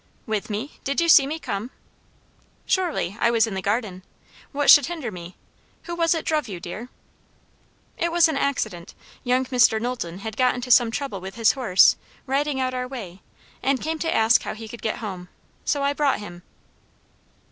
"With me? Did you see me come?" "Surely. I was in the garden. What should hinder me? Who was it druv you, dear?" "It was an accident. Young Mr. Knowlton had got into some trouble with his horse, riding out our way, and came to ask how he could get home. So I brought him."